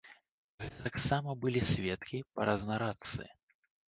Гэта таксама былі сведкі па разнарадцы.